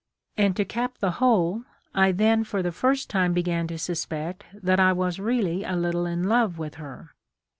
And, to cap the whole, I then for the first time began to suspect that I was really a little in love with her.